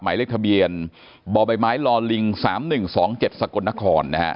หมายเลขทะเบียนบ่อใบไม้ลอลิงสามหนึ่งสองเจ็ดสกลนครนะฮะ